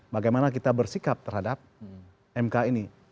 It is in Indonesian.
bagaimana kita bersikap terhadap mk ini